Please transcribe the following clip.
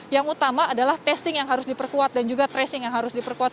yang utama adalah testing yang harus diperkuat dan juga tracing yang harus diperkuat